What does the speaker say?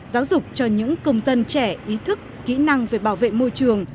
giáo dục cho những công dân trẻ ý thức kỹ năng về bảo vệ môi trường